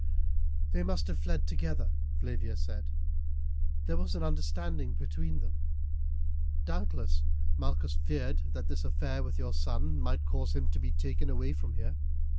"They must have fled together," Flavia said. "There was an understanding between them. Doubtless Malchus feared that this affair with your son might cause him to be taken away from here.